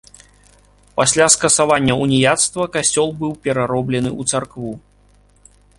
Пасля скасавання уніяцтва касцёл быў перароблены ў царкву.